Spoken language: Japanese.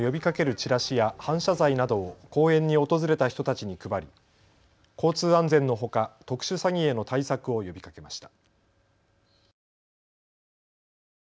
チラシや反射材などを公園に訪れた人たちに配り交通安全のほか、特殊詐欺への対策を呼びかけました。